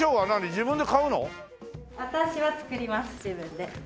自分で？